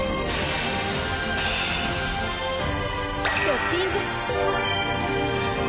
トッピング！